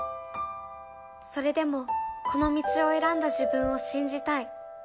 それでもこの道を選んだ自分を信じたい。